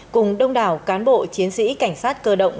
cùng đông đảo cán bộ chiến sĩ cảnh sát cơ động